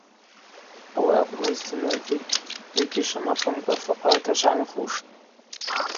Ауи акӏвмызтын,–рхӏвитӏ,–закӏгьи швымахымкӏва, факъырата швгӏанхуштӏ.